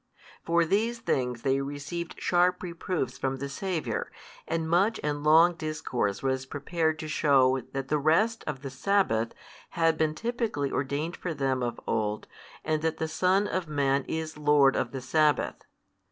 For these things they received sharp reproofs from the Saviour, and much and long discourse was prepared to shew that the rest of the sabbath had been typically ordained for them of old and that the Son of Man is Lord of the sabbath.